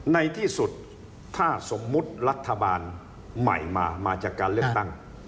ในที่สุดถ้าสมมุติรัฐบาลใหม่มามาจากการเลือกตั้ง